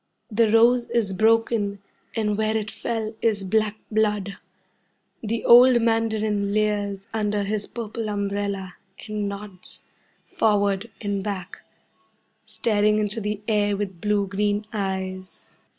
The rose is broken, and where it fell is black blood. The old mandarin leers under his purple umbrella, and nods forward and back, staring into the air with blue green eyes.